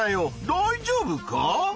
だいじょうぶか？